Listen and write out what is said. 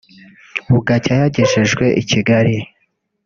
bugacya yagejejwe i Kigali